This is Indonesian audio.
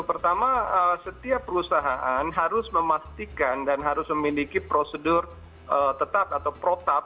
pertama setiap perusahaan harus memastikan dan harus memiliki prosedur tetap atau protap